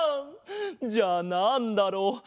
じゃあなんだろう？